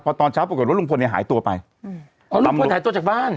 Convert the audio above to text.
พอตอนเช้าปรากฏว่าลุงพลเนี่ยหายตัวไปอืมอ๋อลุงพลหายตัวจากบ้าน